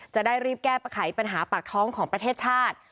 จะได้รีบแก้ไขปัญหาปากท้องของประเทศชาติ